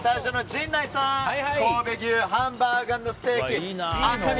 ではスタジオの陣内さん神戸牛ハンバーグ＆ステーキ赤身